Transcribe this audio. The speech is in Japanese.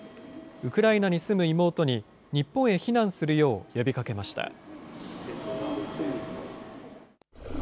ウクライナに住む妹に、日本へ避難するよう呼びかけました。